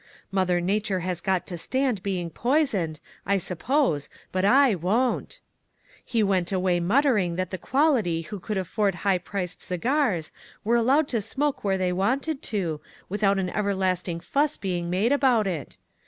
Mother Nature has got to stand being poisoned, I suppose, but I won't.' He went away mutter ing that the quality who could afford high priced cigars were allowed to smoke where they wanted to, without an everlasting fuss being made about it.